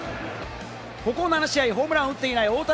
ここ７試合、ホームランを打っていない大谷。